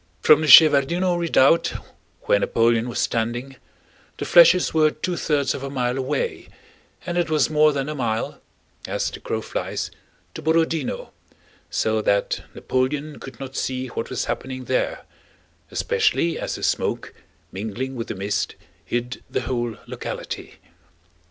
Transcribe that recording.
From the Shevárdino Redoubt where Napoleon was standing the flèches were two thirds of a mile away, and it was more than a mile as the crow flies to Borodinó, so that Napoleon could not see what was happening there, especially as the smoke mingling with the mist hid the whole locality.